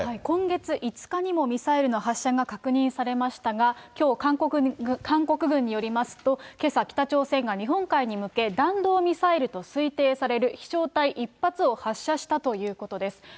今月５日にもミサイルの発射が確認されましたが、きょう、韓国軍によりますと、けさ、北朝鮮が日本海に向け、弾道ミサイルと推定される飛翔体１発を発射したということです。